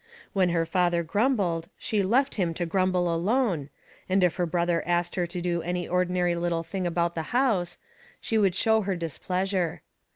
When her father grumbled she left him to grumble alone, and if her brother asked her to do any ordinary little thing about the house, she would show her displeasure.